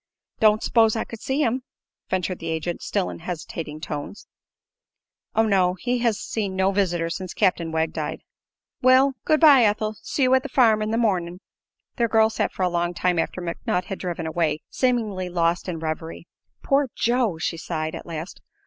"Don't s'pose I could see him?" ventured the agent, still in hesitating tones. "Oh, no; he has seen no visitor since Captain Wegg died." "Well, good bye, Ethel. See you at the farm in the mornin'." The girl sat for a long time after McNutt had driven away, seemingly lost in revery. "Poor Joe!" she sighed, at last.